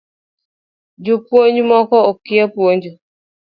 Jopuony moko okia puonjo